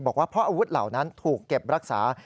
บอกว่าเพราะอาวุธเหล่านั้นถูกเก็บรักษา